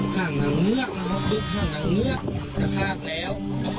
ข้างหนังเนื้อข้างหนังเนื้อจะพลาดแล้ว